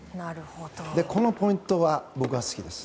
このポイントは僕は好きです。